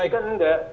ini kan enggak